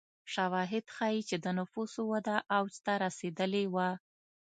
شواهد ښيي چې د نفوسو وده اوج ته رسېدلې وه.